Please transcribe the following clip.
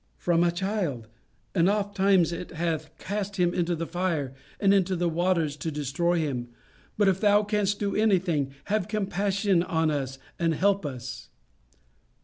"From a child. And oft times it hath cast him into the fire, and into the waters, to destroy him; but if thou canst do anything, have compassion on us, and help us."